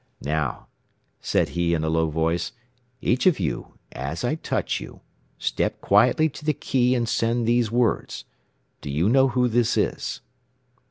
"Now," said he in a low voice, "each of you, as I touch you, step quietly to the key, and send these words: 'Do you know who this is?'"